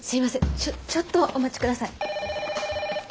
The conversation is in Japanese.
ちょちょっとお待ち下さい。